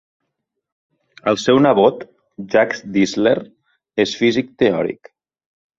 El seu nebot, Jacques Distler, és físic teòric.